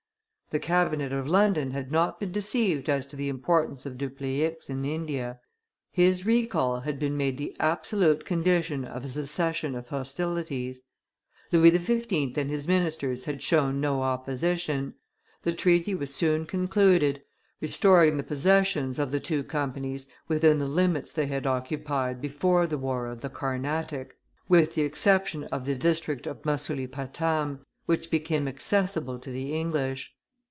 The cabinet of London had not been deceived as to the importance of Dupleix in India; his recall had been made the absolute condition of a cessation of hostilities. Louis XV. and his ministers had shown no opposition; the treaty was soon concluded, restoring the possessions of the two Companies within the limits they had occupied before the war of the Carnatic, with the exception of the district of Masulipatam, which became accessible to the English.